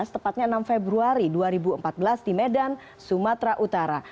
tepatnya enam februari dua ribu empat belas di medan sumatera utara